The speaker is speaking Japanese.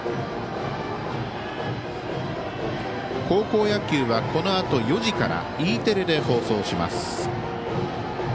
高校野球はこのあと４時からＥテレで放送します。